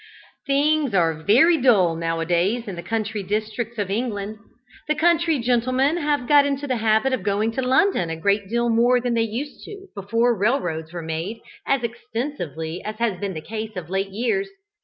Things are very dull now a days in the country districts of England. The country gentlemen have got into the habit of going to London a great deal more than they used to do before railroads were made as extensively as has been the case of late years.